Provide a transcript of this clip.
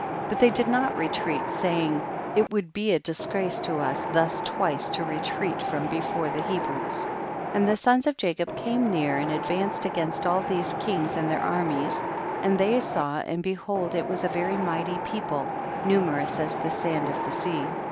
22. But they did not retreat, say ing, it would be a disgrace to us thus twice to retreat from before the He brews. 28, And the sons of Jacob came near and advanced against all these kings and their armies, and they saw, and behold it was a very mighty peo ple, numerous as the sand of the sea, 24.